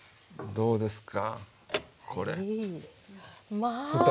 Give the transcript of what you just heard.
どうですか？